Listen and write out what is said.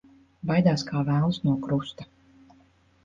Baidās kā velns no krusta.